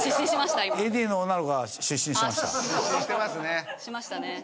しましたね。